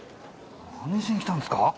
何しに来たんですか？